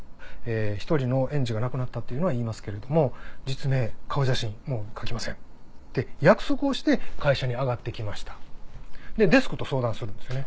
１人の園児が亡くなったっていうのは言いますけれども実名顔写真も書きません」って約束をして会社に上がって来ましたでデスクと相談するんですよね。